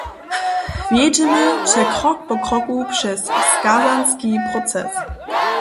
Wjedźemy će krok po kroku přez skazanski proces.